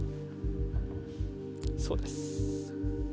そうです。